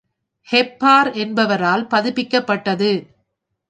ஹெப்பார் என்பவரால் பதிப்பிக்கப்பட்டது.